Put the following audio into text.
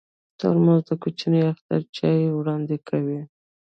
ترموز د کوچني اختر چای وړاندې کوي.